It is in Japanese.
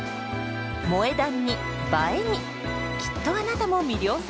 「萌え断」に「映え」にきっとあなたも魅了されるはず！